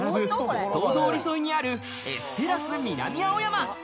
大通り沿いにあるエス・テラス南青山。